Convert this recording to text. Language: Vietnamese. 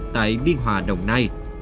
tại biên hòa đồng nai